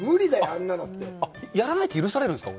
あんなのってやらないって許されるんですか？